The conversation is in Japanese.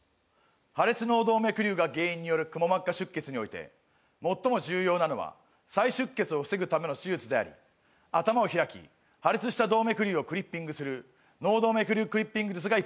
破裂脳動脈瘤が原因によるくも膜下出血において最も重要なのは再出血を防ぐための手術であり頭を開き破裂した動脈瘤をクリッピングする脳動脈瘤クリッピング術が一般的だ。